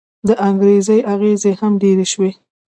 د انګرېزي اغېز هم ډېر شوی.